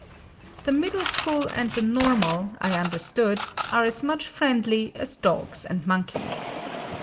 The middle school and the normal, I understood, are as much friendly as dogs and monkeys.